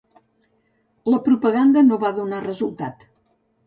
La propaganda no va donar resultat.